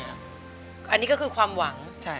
อันนี้ก็คือความหวัง